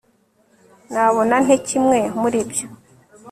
nabona nte kimwe muri ibyo